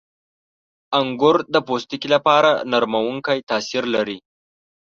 • انګور د پوستکي لپاره نرمونکی تاثیر لري.